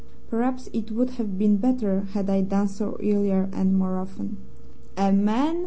Perhaps it would have been better had I done so earlier and more often. "'A man!'